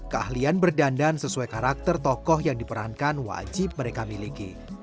keahlian berdandan sesuai karakter tokoh yang diperankan wajib mereka miliki